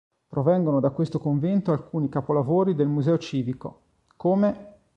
Provengono da questo convento alcuni capolavori del Museo civico, come